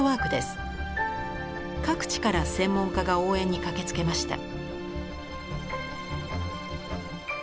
各地から専門家が応援に駆けつけました。